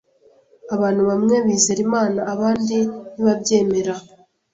Abantu bamwe bizera Imana abandi ntibabyemera.